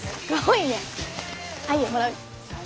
いいよもらう。